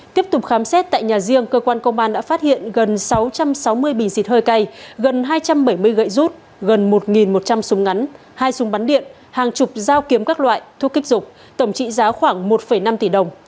tiếp tục khám xét tại nhà riêng cơ quan công an đã phát hiện gần sáu trăm sáu mươi bình xịt hơi cay gần hai trăm bảy mươi gậy rút gần một một trăm linh súng ngắn hai súng bắn điện hàng chục dao kiếm các loại thuốc kích dục tổng trị giá khoảng một năm tỷ đồng